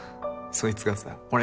そいつがさほら